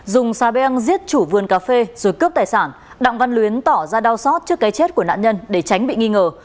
dùng xà beng giết chủ vườn cà phê rồi cướp tài sản đặng văn luyến tỏ ra đau xót trước cái chết của nạn nhân để tránh bị nghi ngờ